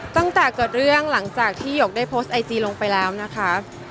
ตั้งแต่เกิดเรื่องหลังจากที่หยกได้โพสต์ไอจีลงไปแล้วนะคะ